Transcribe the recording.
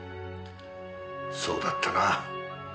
そうだったな。